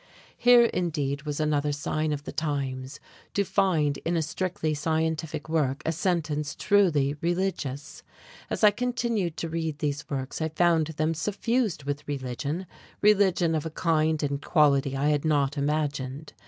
Here indeed was another sign of the times, to find in a strictly scientific work a sentence truly religious! As I continued to read these works, I found them suffused with religion, religion of a kind and quality I had not imagined.